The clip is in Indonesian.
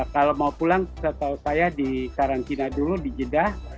kalau mau pulang saya di karantina dulu dijedah